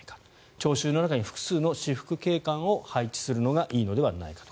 聴衆の中に複数の私服警官を配置するのがいいのではないかと。